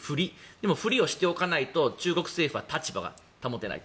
でもふりをしておかないと中国政府は立場を保てない。